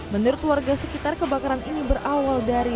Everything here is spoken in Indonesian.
menurut warga sekitar kebakaran ini berawal dari